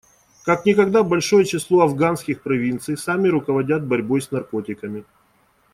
Как никогда большое число афганских провинций сами руководят борьбой с наркотиками.